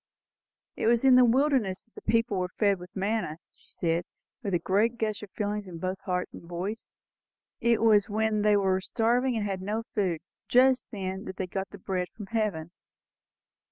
"It was in the wilderness that the people were fed with manna," she said, with a great gush of feeling in both heart and voice. "It was when they were starving and had no food, just then, that they got the bread from heaven."